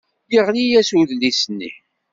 Yeɣli-as udlis-nni.